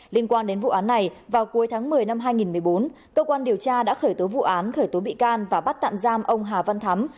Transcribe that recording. liên quan đến vụ án này vào cuối tháng một mươi năm hai nghìn một mươi bốn cơ quan điều tra đã khởi tố vụ án khởi tố bị can và bắt tạm giam ông hà văn thắm